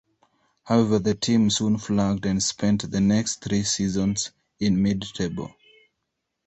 However, the team soon flagged and spent the next three seasons in mid-table.